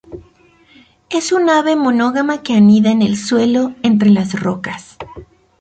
Es un ave monógama que anida en el suelo, entre las rocas.